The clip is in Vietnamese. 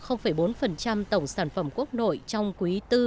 tổng sản phẩm quốc nội trong quý bốn